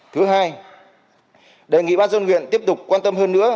thứ hai đề nghị bác dân nguyện tiếp tục quan tâm hơn nữa